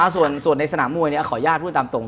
ส่วนในสนามมวยนี้ขอแยกพูดตามตรง